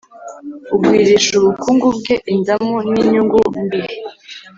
ugwirisha ubukungu bwe indamu n’inyungu mbi,